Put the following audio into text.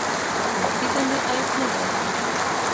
حکومتي دندې عیب نه دی.